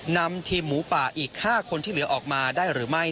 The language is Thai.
นำทีมหมูป่าอีก๕คนที่เหลือออกมาได้หรือไม่